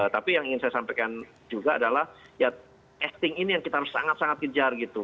tapi yang ingin saya sampaikan juga adalah ya testing ini yang kita harus sangat sangat kejar gitu